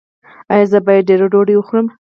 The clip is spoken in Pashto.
ایا زه باید ډیره ډوډۍ وخورم؟